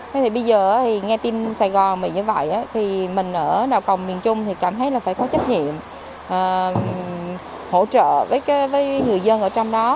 thế thì bây giờ thì nghe tin sài gòn mình như vậy thì mình ở nào còng miền trung thì cảm thấy là phải có trách nhiệm hỗ trợ với người dân ở trong đó